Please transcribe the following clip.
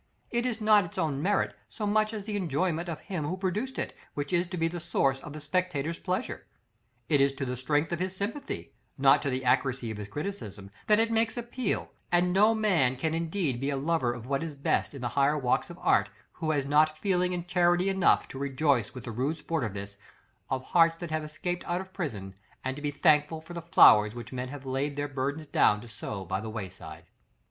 It is not its own merit so much as the enjoyment of him who produced it, which is to be the source of the spectator's pleasure; it is to the strength of his sympathy, not to the accuracy of his criticism, that it makes appeal; and no man can indeed be a lover of what is best in the higher walks of art, who has not feeling and charity enough to rejoice with the rude sportiveness of hearts that have escaped out of prison, and to be thankful for the flowers which men have laid their burdens down to sow by the wayside.